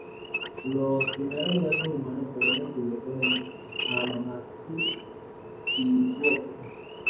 Los primeros huesos humanos fueron descubiertos en Hamamatsu, Shizuoka.